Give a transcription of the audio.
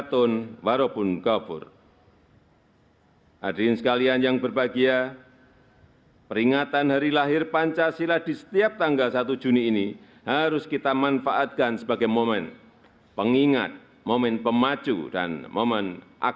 tanda kebesaran buka hormat senjata